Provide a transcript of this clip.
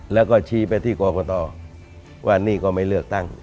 แล้วก็ชี้ไปที่กรกตว่านี่ก็ไม่เลือกตั้ง